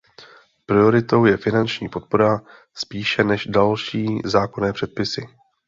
Prioritou je finanční podpora, spíše než další zákonné předpisy.